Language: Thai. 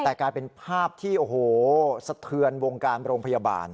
แต่กลายเป็นภาพที่โอ้โหสะเทือนวงการโรงพยาบาล